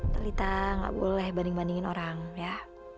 talita gak boleh banding bandingin orang ya